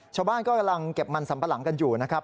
ชาวบ้านก็กำลังเก็บมันสัมปะหลังกันอยู่นะครับ